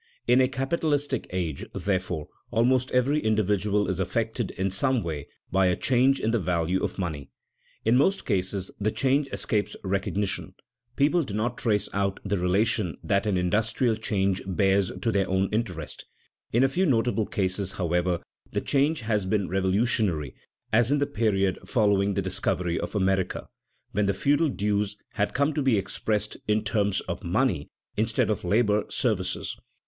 In a capitalistic age, therefore, almost every individual is affected in some way by a change in the value of money. In most cases the change escapes recognition; people do not trace out the relation that an industrial change bears to their own interests. In a few notable cases, however, the change has been revolutionary as in the period following the discovery of America, when the feudal dues had come to be expressed in terms of money instead of labor services.